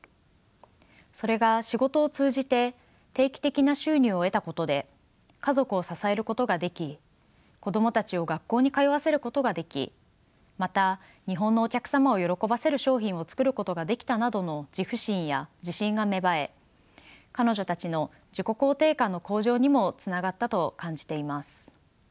それが仕事を通じて定期的な収入を得たことで家族を支えることができ子供たちを学校に通わせることができまた日本のお客様を喜ばせる商品を作ることができたなどの自負心や自信が芽生え彼女たちの自己肯定感の向上にもつながったと感じています。